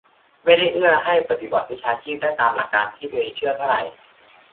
ไม่ได้เอื้อให้ปฏิบัติวิชาชีพได้ตามหลักการที่ตัวเองเชื่อเท่าไหร่